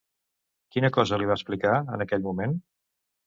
Quina cosa li va explicar, en aquell moment?